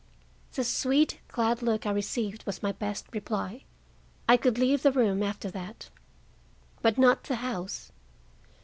The sweet, glad look I received was my best reply. I could leave the room, after that. But not the house.